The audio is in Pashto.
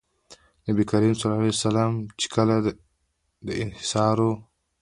نبي کريم صلی الله عليه وسلم چې کله د انصارو